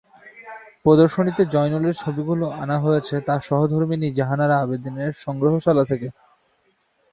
প্রদর্শনীতে জয়নুলের ছবিগুলো আনা হয়েছে তাঁর সহধর্মিণী জাহানারা আবেদিনের সংগ্রহশালা থেকে।